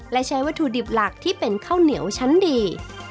และใช้วัตถุดิบหลักที่เป็นข้าวเหนียวชั้นดี